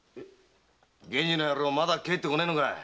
源次の野郎まだ帰ってこないのか？